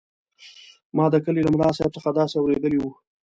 ما د کلي له ملاصاحب څخه داسې اورېدلي وو.